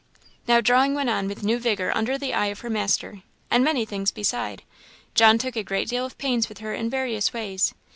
Now drawing went on with new vigour under the eye of her master. And many things beside. John took a great deal of pains with her in various ways.